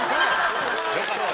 よかった。